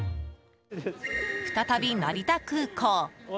再び成田空港。